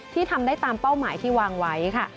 ทำได้ตามเป้าหมายที่วางไว้ค่ะ